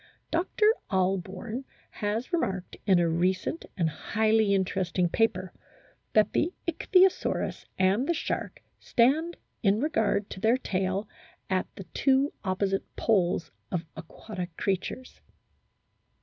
Dr. Ahlborn has remarked in a recent and highly interest ing paper 4 that the Ichthyosaurus and the shark stand in regard to their tail at the two opposite poles of aquatic creatures.